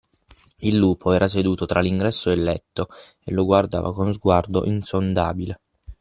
il lupo era seduto tra l’ingresso e il letto, e lo guardava con sguardo insondabile.